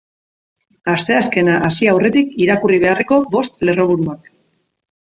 Asteazkena hasi aurretik irakurri beharreko bost lerroburuak.